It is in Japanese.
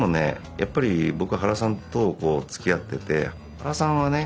やっぱり僕は原さんとつきあってて原さんはね